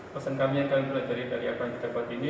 pesan kami yang kami pelajari dari apa yang didapat ini